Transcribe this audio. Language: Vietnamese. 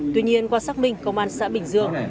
tuy nhiên qua xác minh công an xã bình dương